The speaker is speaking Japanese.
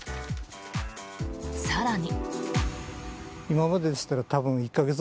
更に。